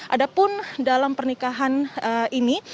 ada pun dalam pernikahan ini